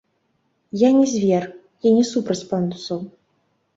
Я не звер, я не супраць пандусаў.